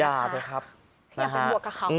อย่าไปบวกกับเขา